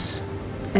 dan mencintai bapak